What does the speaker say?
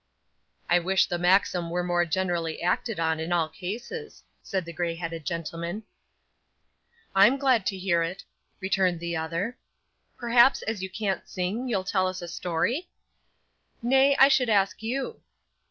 'I wish the maxim were more generally acted on, in all cases,' said the grey headed gentleman. 'I'm glad to hear it,' returned the other. 'Perhaps, as you can't sing, you'll tell us a story?' 'Nay. I should ask you.